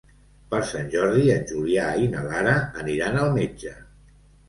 Per Sant Jordi en Julià i na Lara aniran al metge.